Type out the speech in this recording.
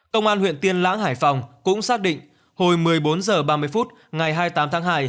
công an huyện tiên lãng hải phòng cũng xác định hồi một mươi bốn h ba mươi phút ngày hai mươi tám tháng hai